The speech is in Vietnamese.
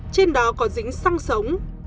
trên đó còn dính xăng sống